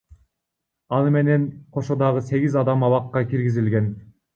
Аны менен кошо дагы сегиз адам абакка киргизилген.